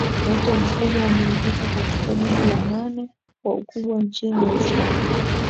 moto mkubwa umezuka katika jiji la nane kwa ukubwa nchini australia